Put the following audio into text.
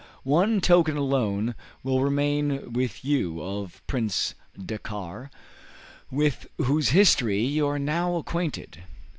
One token alone will remain with you of Prince Dakkar, with whose history you are now acquainted.